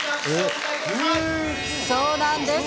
そうなんです。